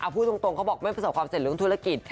พูดตรงเขาบอกไม่ประสบความเสร็จเรื่องธุรกิจ